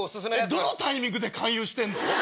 どのタイミングで勧誘してんの？